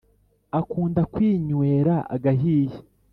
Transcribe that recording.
Akunda kwinywera agahiye